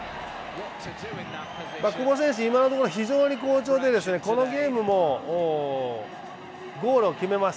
久保選手、今のところ非常に好調でこのゲームもゴールを決めます。